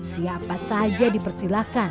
siapa saja di persilahkan